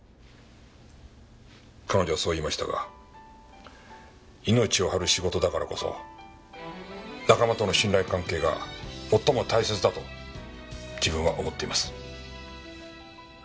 彼女はそう言いましたが命を張る仕事だからこそ仲間との信頼関係が最も大切だと自分は思っています。